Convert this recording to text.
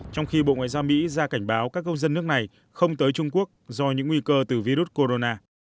trong khi bộ ngoại giao mỹ ra cảnh báo các công dân nước này không tới trung quốc do những nguy cơ từ virus corona